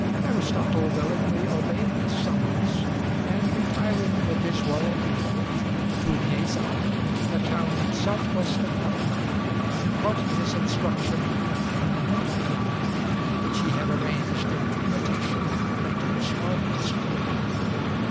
Aristotle willingly obeyed this summons; and retiring with his royal pupil to Mieza, a town southwest of Pella, imparted his instruction in the Nymphæum, which he had arranged in imitation of Plato's garden school.